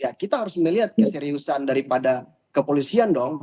ya kita harus melihat keseriusan daripada kepolisian dong